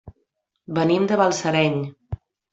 Venim de Balsareny.